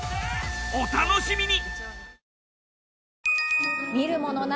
お楽しみに！